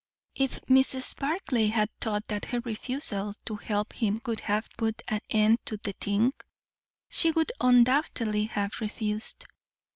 If Mrs. Barclay had thought that her refusal to help him would have put an end to the thing, she would undoubtedly have refused.